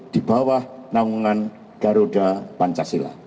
di bawah naungan garuda pancasila